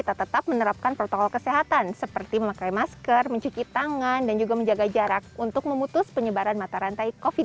tetap menerapkan protokol kesehatan seperti memakai masker mencuci tangan dan juga menjaga jarak untuk memutus penyebaran mata rantai covid sembilan belas